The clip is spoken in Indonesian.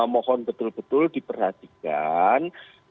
mohon betul betul diperhatikan